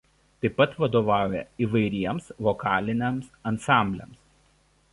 Taip pat vadovauja įvairiems vokaliniams ansambliams.